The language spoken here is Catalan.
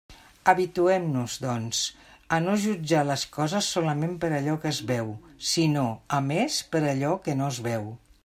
Habituem-nos, doncs, a no jutjar les coses solament per allò que es veu, sinó, a més, per allò que no es veu.